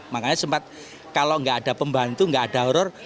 makanya sempat kalau nggak ada pembantu nggak ada horror